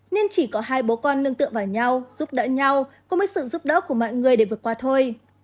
nên chỉ có hai bố con nương tựa vào nhau giúp đỡ nhau có mấy sự giúp đỡ của mọi người để vượt qua thôi